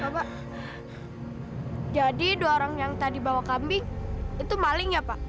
bapak jadi dua orang yang tadi bawa kambing itu maling ya pak